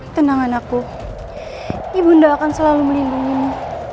tenang anakku ibu nda akan selalu melindungimu